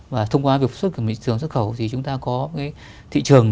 và thông qua việc xuất khẩu thị trường xuất khẩu thì chúng ta có cái thị trường